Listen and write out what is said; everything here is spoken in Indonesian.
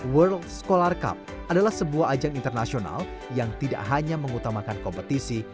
world scholar cup adalah sebuah ajang internasional yang tidak hanya mengutamakan kompetisi